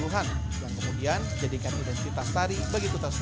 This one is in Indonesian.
yang kemudian jadikan identitas tari begitu tersebut